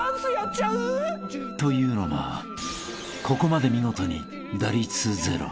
［というのもここまで見事に打率ゼロ］